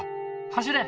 走れ！